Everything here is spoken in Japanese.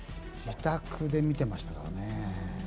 自宅で見てましたからね。